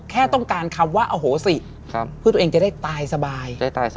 แค่ต้องการคำว่าอ่อครับเพื่อจะได้ตายสบาย